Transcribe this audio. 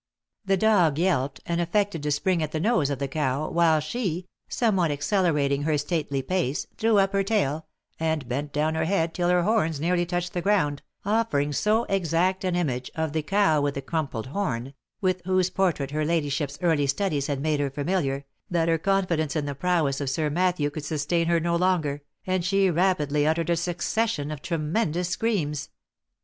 The dog yelped, and affected to spring at the nose of the cow, while she, somewhat accelerating her stately pace, threw up her tail, and bent down her head till her horns nearly touched the ground, offering so exact an image of " the cow with the crumpled horn," with whose portrait her ladyship's early studies had made her familiar, that her confidence in the prowess of Sir Matthew could sustain her no longer, and she rapidly uttered a succession of tremendous screams.